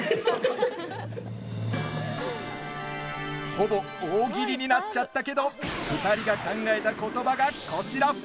ほぼ大喜利になっちゃったけど２人が考えた言葉がこちら。